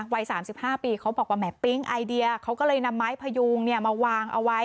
วัย๓๕ปีเขาบอกว่าแหมปิ๊งไอเดียเขาก็เลยนำไม้พยูงมาวางเอาไว้